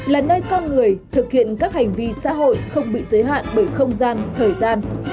là nơi con người thực hiện các hành vi sáng tạo tương tác rất cao